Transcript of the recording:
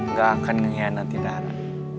nggak akan ngehiat hati rara